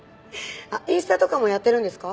インスタとかもやってるんですか？